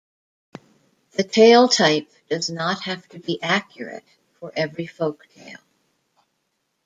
The tale type does not have to be accurate for every folktale.